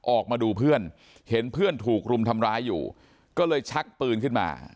ออกมาดูเพื่อนเห็นเพื่อนถูกรุมทำร้ายอยู่ก็เลยชักปืนขึ้นมา